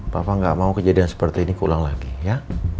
papa enggak mau kejadian seperti ini pulang lagi ya